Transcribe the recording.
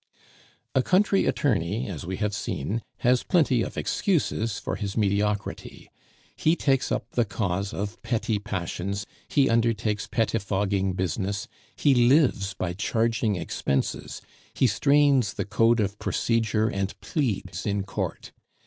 A country attorney, as we have seen, has plenty of excuses for his mediocrity; he takes up the cause of petty passions, he undertakes pettifogging business, he lives by charging expenses, he strains the Code of procedure and pleads in court.